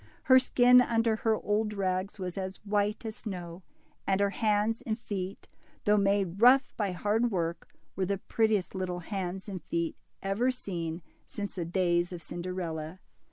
Her skin, under her old rags, was as white as snow; and her hands and feet, though made rough by hard work, were the prettiest little hands and feet ever seen since the days of Cinderella.